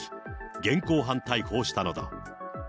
現行犯逮捕したのだ。